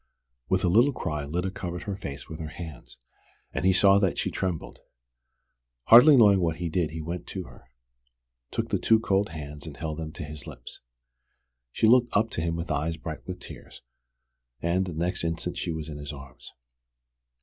With a little cry Lyda covered her face with her hands, and he saw that she trembled. Hardly knowing what he did he went to her, took the two cold hands and held them to his lips. She looked up to him with eyes bright with tears, and the next instant she was in his arms.